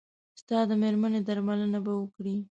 ستا د مېرمنې درملنه به وکړي.